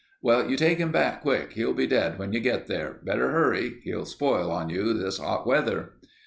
"Well, you take him back quick. He'll be dead when you get there. Better hurry. He'll spoil on you this hot weather.